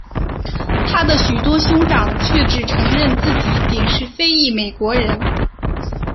他的许多兄长却只承认自己仅是非裔美国人。